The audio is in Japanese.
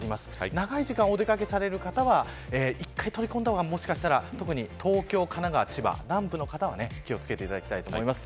長い時間、お出掛けされる方は一回取り込んだ方が特に、東京、神奈川千葉南部の方は気を付けていただきたいと思います。